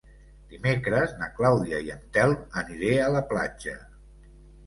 Dimecres na Clàudia i en Telm aniré a la platja.